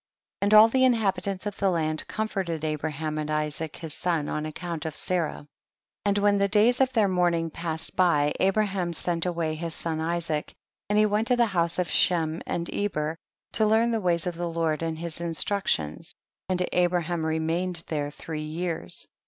16. And all the inhabitants of tlie land comforted Abraham and Isaac his son on account of Sarah. 17. And when the days of their mourning passed by Abraham sent awav his son Isaac, and he went to THE BOOK OF JASHER 71 the house of Shem and Eber, to learn the ways of tlic Jjoid and his instructions, and Abraham remained there three years.